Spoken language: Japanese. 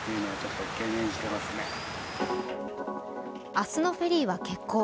明日のフェリーは欠航。